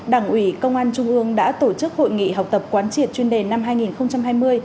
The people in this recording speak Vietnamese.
đảng ủy công an trung ương đã tổ chức hội nghị học tập quán triệt chuyên đề năm hai nghìn hai mươi